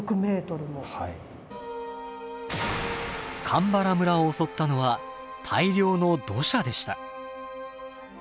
鎌原村を襲ったのは大量の土砂でした。